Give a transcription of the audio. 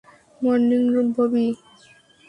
Morning, Bobby!